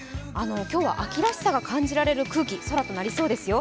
今日は秋らしさが感じられる空気、空となりそうですよ。